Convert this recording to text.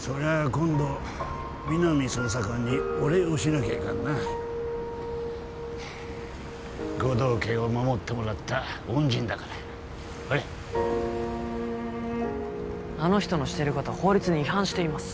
今度皆実捜査官にお礼をしなきゃいかんな護道家を守ってもらった恩人だからほれあの人のしてることは法律に違反しています